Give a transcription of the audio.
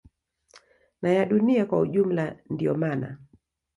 na ya dunia kwa ujumla Ndio mana